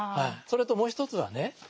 それともう一つはね